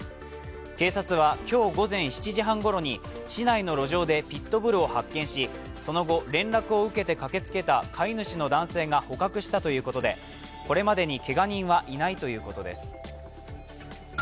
警察は今日午前７時半ごろに市内の路上でピット・ブルを発見しその後、連絡を受けて駆けつけた飼い主の男性が捕獲したということでこれまでにけが人はいないということです。